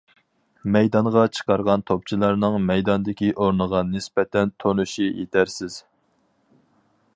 مەيدانغا چىقارغان توپچىلارنىڭ مەيداندىكى ئورنىغا نىسبەتەن تونۇشى يىتەرسىز.